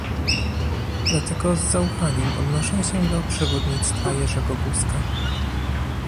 Dlatego z zaufaniem odnoszę się do przewodnictwa Jerzego Buzka